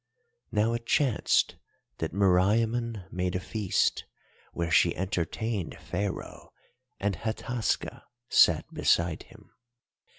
"Now it chanced that Meriamun made a feast, where she entertained Pharaoh and Hataska sat beside him.